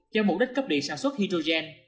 cho mục đích cấp điện sản xuất hydrogen